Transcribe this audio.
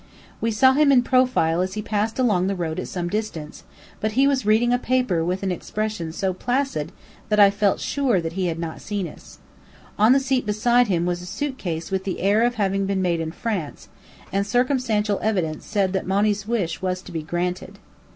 We saw him in profile as he passed along the road at some distance, but he was reading a paper with an expression so placid that I felt sure he had not seen us. On the seat beside him was a suitcase with the air of having been made in France; and circumstantial evidence said that Monny's wish was to be granted.